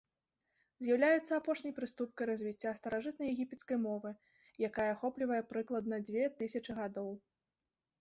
З'яўляецца апошняй прыступкай развіцця старажытнаегіпецкай мовы, якая ахоплівае прыкладна дзве тысячы гадоў.